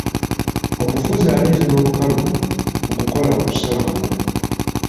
Omufuzi aleetera obukalubu mu kukola okusalawo.